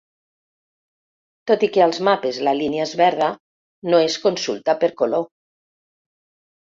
Tot i que als mapes la línia és verda, no es consulta per color.